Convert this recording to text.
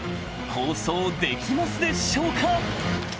放送できますでしょうか？